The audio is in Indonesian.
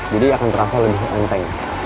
jadi akan terasa lebih enteng